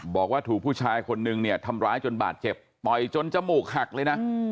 บอกว่าถูกผู้ชายคนนึงเนี่ยทำร้ายจนบาดเจ็บต่อยจนจมูกหักเลยนะ